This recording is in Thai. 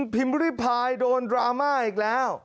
ริพายโดนดราม่าอีกแล้ว